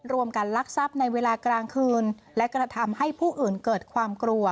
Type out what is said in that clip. รวมกันลักทรัพย์ในเวลากลางคืนและกระทำให้ผู้อื่นเกิดความกลัว